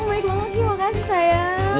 kamu baik banget sih makasih sayang